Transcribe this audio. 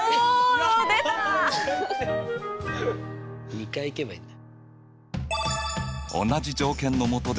２回行けばいいんだ。